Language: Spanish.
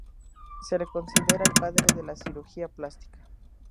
Se le considera el padre de la cirugía plástica.